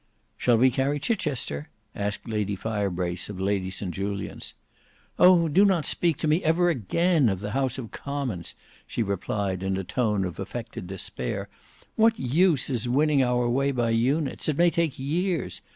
"Shall we carry Chichester?" asked Lady Firebrace of Lady St Julians. "Oh! do not speak to me ever again of the House of Commons," she replied in a tone of affected despair. "What use is winning our way by units? It may take years.